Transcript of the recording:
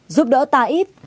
giúp đỡ ta ít